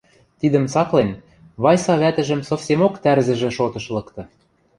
Тидӹм цаклен, Вайса вӓтӹжӹм совсемок тӓрзӹжӹ шотыш лыкты.